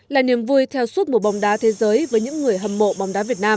là niềm vui theo suốt mùa bóng đá thế giới với những người hâm mộ bóng đá việt nam